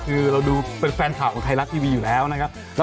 คือเราดูเป็นแฟนข่าวของไทยรัฐทีวีอยู่แล้วนะครับ